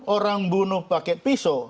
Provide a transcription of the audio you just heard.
orang bunuh pakai pisau